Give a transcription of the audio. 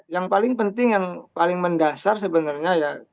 yang paling penting yang paling mendasar sebenarnya ya